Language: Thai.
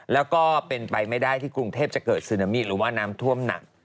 แล้วก็เป็นไปไม่ได้ที่กรุงเทพจะเกิดซึนามิหรือว่าน้ำท่วมหนัก